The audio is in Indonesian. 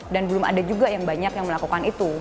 dan belum ada juga yang banyak yang melakukan itu